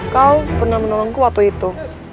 kau pernah menolongku waktu itu